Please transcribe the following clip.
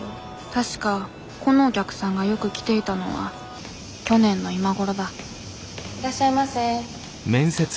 確かこのお客さんがよく来ていたのは去年の今頃だいらっしゃいませ。